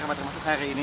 apa termasuk hari ini